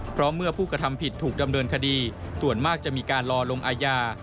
เพราะเมื่อผู้กระทำผิดถูกดำเนินคดีส่วนมากจะมีการรอลงอาญา